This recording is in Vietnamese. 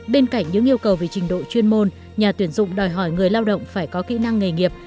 bên cạnh những yêu cầu về trình độ chuyên môn nhà tuyển dụng đòi hỏi người lao động phải có kỹ năng nghề nghiệp